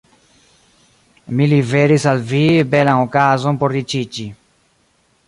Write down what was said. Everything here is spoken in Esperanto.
Mi liveris al vi belan okazon por riĉiĝi.